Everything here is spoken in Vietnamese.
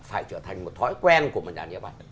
phải trở thành một thói quen của một nhà nhếp ảnh